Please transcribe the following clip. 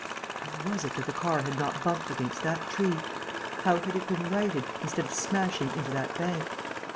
How was it that the car had not bumped against that tree? How had it been righted, instead of smashing into that bank?